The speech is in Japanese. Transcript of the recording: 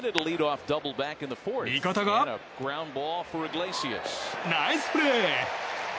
味方が、ナイスプレー！